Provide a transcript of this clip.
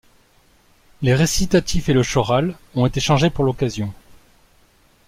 Les récitatifs et le choral ont été changés pour l'occasion.